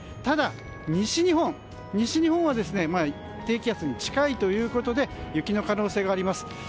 ただ、西日本は低気圧に近いということで雪の可能性があります。